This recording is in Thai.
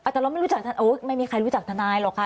แต่เราไม่รู้จักท่านไม่มีใครรู้จักทนายหรอกค่ะ